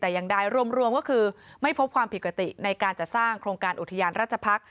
แต่อย่างใดรวมก็คือไม่พบความผิดปกติในการจัดสร้างโครงการอุทยานราชพักษ์